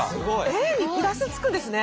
Ａにプラスつくんですね。